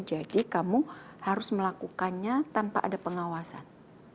jadi kamu harus melakukannya tanpa ada pengawasan